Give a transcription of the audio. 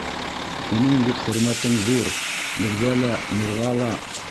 -Һинең бит хөрмәтең ҙур, беҙгә лә, мирға ла.